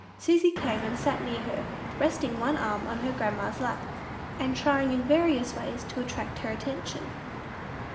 Susy came and sat near her, resting one arm on her grandma's lap, and trying in various ways to attract her attention.